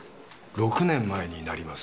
６年前になります。